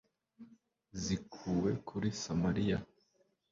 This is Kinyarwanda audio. zikuwe kuri samariya